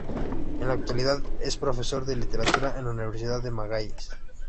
En la actualidad es profesor de literatura en la Universidad de Magallanes.